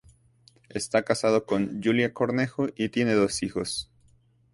Está casado con Julia Cornejo y tiene dos hijos.